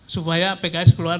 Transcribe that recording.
supaya pks keluar